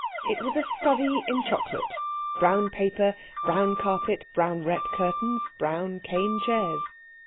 It was a study in chocolate brown paper, brown carpet, brown rep curtains, brown cane chairs.